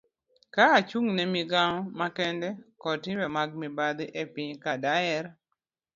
ka achung' ne migawo makedo kod timbe mag mibadhi e piny ka, daher